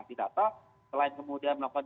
ditata selain kemudian melakukan